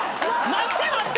待って待って！